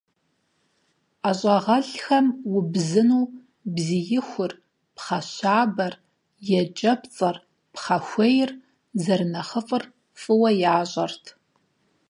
ӀэщӀагъэлӀхэм убзыну бзиихур, пхъэщабэр, екӀэпцӀэр, пхъэхуейр зэрынэхъыфӀыр фӀыуэ ящӀэрт.